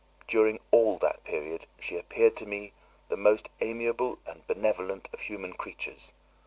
During all that period she appeared to me the most amiable and benevolent of human creatures.